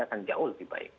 akan jauh lebih baik